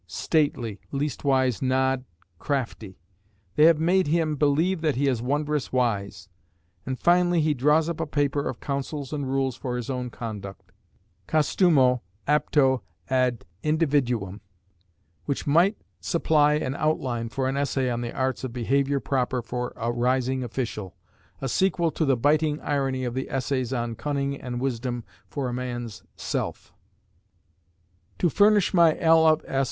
Stately, leastwise nodd (?) crafty. They have made him believe that he is wondrous wise." And, finally, he draws up a paper of counsels and rules for his own conduct "Custumæ aptæ ad Individuum" which might supply an outline for an essay on the arts of behaviour proper for a rising official, a sequel to the biting irony of the essays on Cunning and Wisdom for a Man's Self. "To furnish my L. of S.